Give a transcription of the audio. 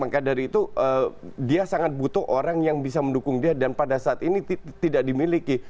maka dari itu dia sangat butuh orang yang bisa mendukung dia dan pada saat ini tidak dimiliki